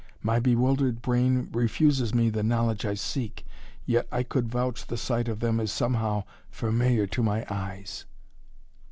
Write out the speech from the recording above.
My bewildered brain refuses me the knowledge I seek, yet I could vouch the sight of them is somehow familiar to my eyes."